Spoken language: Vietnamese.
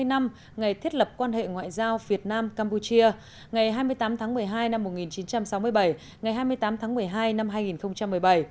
hai mươi năm ngày thiết lập quan hệ ngoại giao việt nam campuchia ngày hai mươi tám tháng một mươi hai năm một nghìn chín trăm sáu mươi bảy ngày hai mươi tám tháng một mươi hai năm hai nghìn một mươi bảy